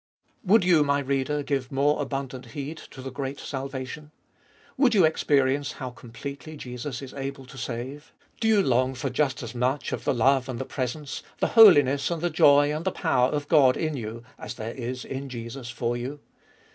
Would you, my reader, give more abundant heed to the great salvation? would you experience how completely Jesus is able to save? do you long for just as much of the love and the presence, the holiness and the joy and the power of God in you as there is in Jesus for you?